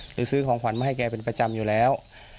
ซื้อของขวัญมาให้แกเป็นประจำอยู่แล้ว